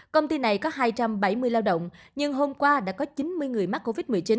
công ty này có hai trăm bảy mươi lao động nhưng hôm qua đã có chín mươi người mắc covid một mươi chín